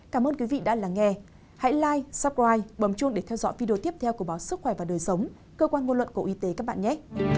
cảm ơn quý vị đã lắng nghe hãy live supprite bầm chuông để theo dõi video tiếp theo của báo sức khỏe và đời sống cơ quan ngôn luận của y tế các bạn nhé